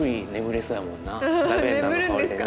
ラベンダーの香りでね。